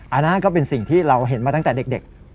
อันนั้นก็เป็นสิ่งที่เราเห็นมาตั้งแต่เด็ก